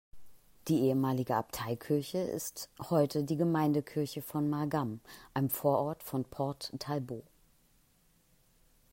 Die ehemalige Abteikirche ist heute die Gemeindekirche von "Margam", einem Vorort von Port Talbot.